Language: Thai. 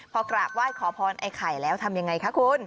พอกราบไหว้ขอพรไอ้ไข่แล้วทำยังไงคะคุณ